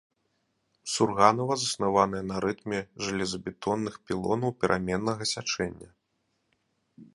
Сурганава, заснаваная на рытме жалезабетонных пілонаў пераменнага сячэння.